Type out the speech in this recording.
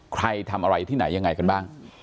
ใครทำอะไรที่ไหนยังไงกันบ้าง